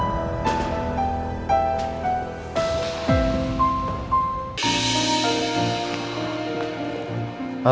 terima kasih pak